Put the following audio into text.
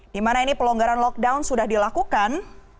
di mana ini pelonggaran lockdown sudah dilakukan